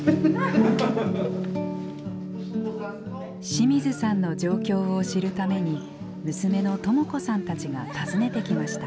清水さんの状況を知るために娘の智子さんたちが訪ねてきました。